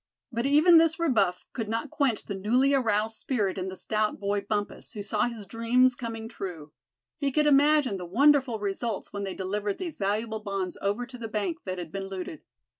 But even this rebuff could not quench the newly aroused spirit in the stout boy, Bumpus, who saw his dreams coming true. He could imagine the wonderful results when they delivered these valuable bonds over to the bank that had been looted.